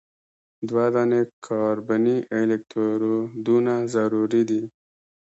دوه دانې کاربني الکترودونه ضروري دي.